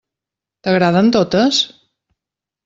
T'agraden totes?